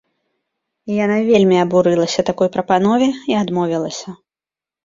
Яна вельмі абурылася такой прапанове і адмовілася.